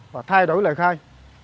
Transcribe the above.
và thay đổi lời khai